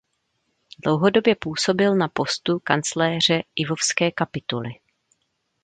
Dlouhodobě působil na postu kancléře lvovské kapituly.